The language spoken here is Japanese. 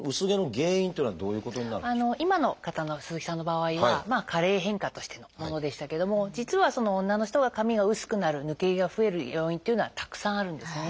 今の方の鈴木さんの場合は加齢変化としてのものでしたけども実は女の人が髪が薄くなる抜け毛が増える要因っていうのはたくさんあるんですね。